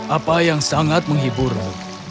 apa yang sangat menghiburmu